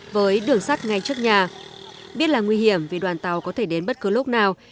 với đường sắt ngay trước nhà biết là nguy hiểm vì đoàn tàu có thể đến bất cứ lúc nào